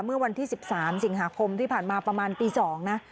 เมื่อวันที่๑๓สิงหาคมที่ผ่านมาประมาณตี๒นะ